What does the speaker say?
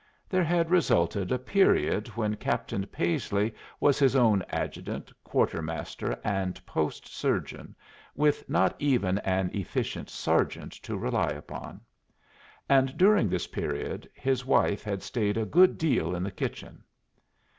There had resulted a period when Captain Paisley was his own adjutant, quartermaster, and post surgeon, with not even an efficient sergeant to rely upon; and during this period his wife had stayed a good deal in the kitchen.